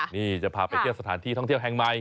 นี่จะพาไปเที่ยวสถานที่ท่องเที่ยวแห่งใหม่